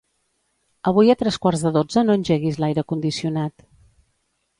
Avui a tres quarts de dotze no engeguis l'aire condicionat.